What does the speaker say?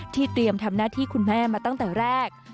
เตรียมทำหน้าที่คุณแม่มาตั้งแต่แรก